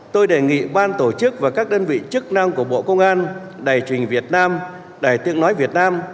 tôi đề nghị ban tổ chức và các đơn vị chức năng của bộ công an đại truyền việt nam đại tượng nói việt nam